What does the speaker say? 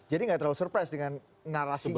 jadi gak terlalu surprise dengan narasi itu